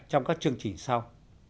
trong các chương trình sau